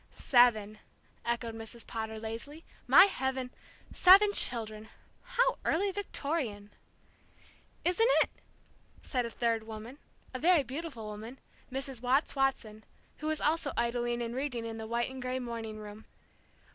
"Seven!" echoed Mrs. Potter, lazily. "My heaven seven children! How early Victorian!" "Isn't it?" said a third woman, a very beautiful woman, Mrs. Watts Watson, who was also idling and reading in the white and gray morning room.